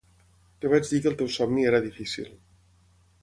Et vaig dir que el teu somni era difícil.